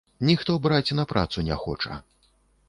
Ніхто браць на працу не хоча.